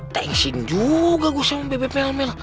thanks in juga gue sama bebep melmel